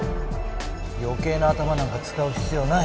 ・余計な頭なんか使う必要ない